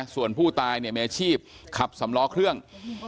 ส่วนผู้ตายเนี่ยมีอาชีพขับสำล้อเครื่อง